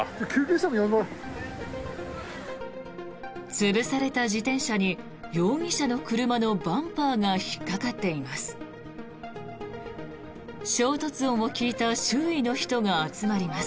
潰された自転車に容疑者の車のバンパーが引っかかっています。